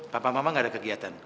papa mama nggak ada kegiatan